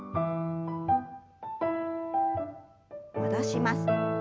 戻します。